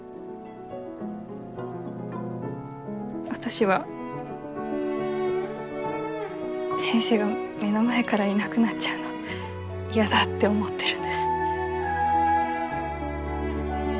私は先生が目の前からいなくなっちゃうのやだって思ってるんです。